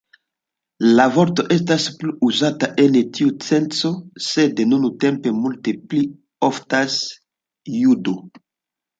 La vorto estas plu uzata en tiu senco, sed nuntempe multe pli oftas "judo".